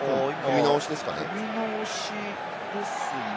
組み直しですね。